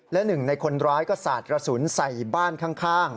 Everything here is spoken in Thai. และหนึ่งในคนร้ายก็สาดกระสุนใส่บ้านข้าง